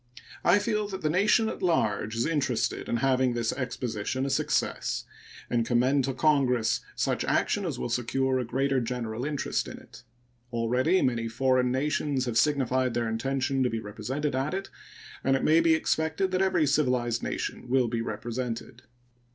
I feel that the nation at large is interested in having this exposition a success, and commend to Congress such action as will secure a greater general interest in it. Already many foreign nations have signified their intention to be represented at it, and it may be expected that every civilized nation will be represented.